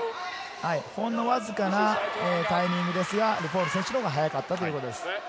ほんのわずかなタイミングですが、ルフォール選手のほうが速かったということです。